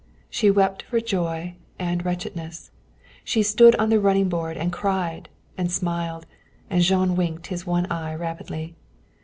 She wept for joy and wretchedness. She stood on the running board and cried and smiled. And Jean winked his one eye rapidly.